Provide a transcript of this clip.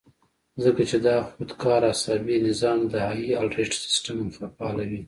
ځکه چې دا د خودکار اعصابي نظام د هائي الرټ سسټم فعالوي